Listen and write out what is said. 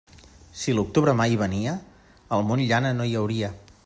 Si l'octubre mai venia, al món llana no hi hauria.